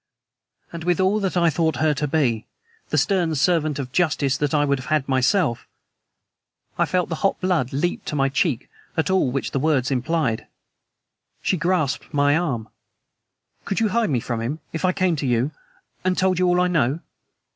And, with all that I thought her to be, the stern servant of justice that I would have had myself, I felt the hot blood leap to my cheek at all which the words implied. She grasped my arm. "Could you hide me from him if I came to you, and told you all I know?"